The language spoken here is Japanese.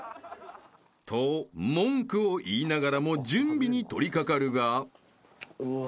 ［と文句を言いながらも準備に取り掛かるが］うわ。